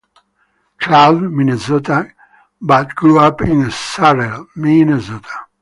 Cloud, Minnesota, but grew up in Sartell, Minnesota.